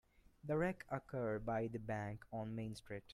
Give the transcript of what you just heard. The wreck occurred by the bank on Main Street.